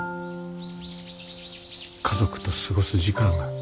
家族と過ごす時間が。